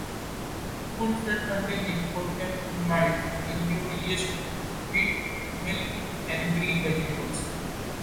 Foods that contain nicotinamide include yeast, meat, milk, and green vegetables.